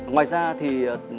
ngoài ra thì